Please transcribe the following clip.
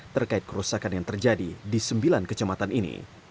terkait kerusakan yang terjadi di sembilan kecamatan ini